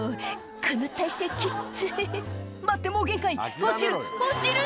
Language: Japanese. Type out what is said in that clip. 「この体勢きっつい」「待ってもう限界落ちる落ちる！」